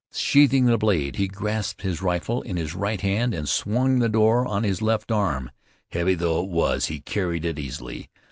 Sheathing the blade, he grasped his rifle in his right hand and swung the door on his left arm. Heavy though it was he carried it easily.